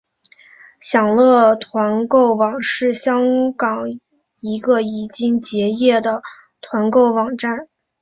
享乐团购网是香港一个已结业的团购网站。